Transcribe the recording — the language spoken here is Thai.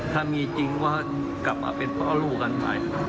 ถ้ามีจริงว่ากลับมาเป็นเพราะลูกกันไป